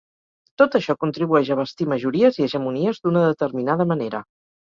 Tot això contribueix a bastir majories i hegemonies d’una determinada manera.